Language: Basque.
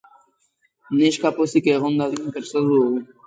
Neska pozik egon dadin prestatu dugu.